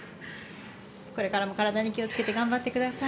これからも体に気をつけて頑張ってください。